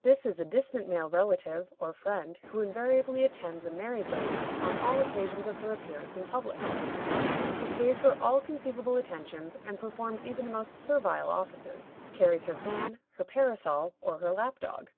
This is a distant male relative, or friend, who invariably attends a married lady on all occasions of her appearance in public. He pays her all conceivable attentions, and performs even the most servile offices; carries her fan, her parasol, or her lapdog.